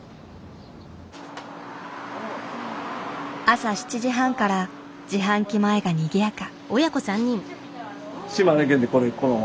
朝７時半から自販機前がにぎやか。